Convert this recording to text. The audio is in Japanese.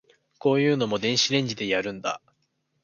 こういうのも電子レンジでやるんだ